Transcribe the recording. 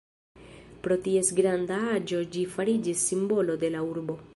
Pro ties granda aĝo ĝi fariĝis simbolo de la urbo.